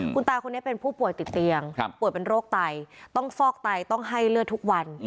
คุณตาคนนี้เป็นผู้ป่วยติดเตียงป่วยเป็นโรคไตต้องฟอกไตต้องให้เลือดทุกวัน